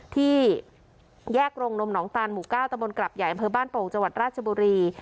ที่แยกโรงนมหนองตานหมู่๙ตะบนกลับใหญ่อำเภอบ้านโป่งจังหวัดราชบุรี